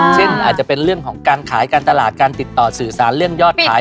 เช่นอาจจะเป็นเรื่องของการขายการตลาดการติดต่อสื่อสารเรื่องยอดขาย